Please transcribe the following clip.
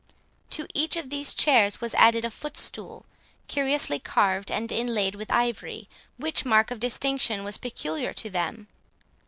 To each of these chairs was added a footstool, curiously carved and inlaid with ivory, which mark of distinction was peculiar to them.